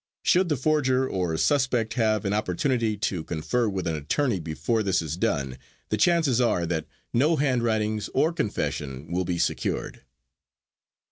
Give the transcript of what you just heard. Should the forger or suspect have an opportunity to confer with an attorney before this is done, the chances are that no handwritings or confession will be secured.